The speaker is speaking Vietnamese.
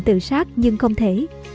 tự sát nhưng không thể